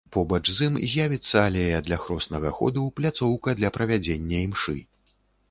Побач з ім з'явіцца алея для хроснага ходу, пляцоўка для правядзення імшы.